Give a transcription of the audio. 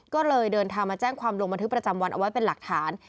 ก็เลยเดินทางมาแจ้งความลงบันทึกประจำวันเอาไว้เป็นหลักฐาน